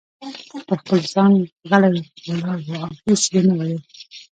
پر خپل ځای غلی ولاړ و او هیڅ یې نه ویل.